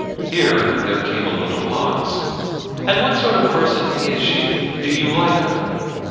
Here there came a little pause. 'And what sort of person is she do you like her?'